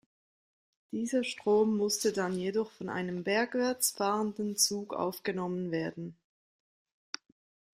Dieser Strom musste dann jedoch von einem bergwärts fahrenden Zug aufgenommen werden.